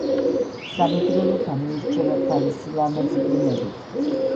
სამეგრელო გამოირჩევა თავისი ლამაზი ბუნებით